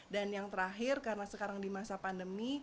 dan yang terakhir karena sekarang di masa pandemi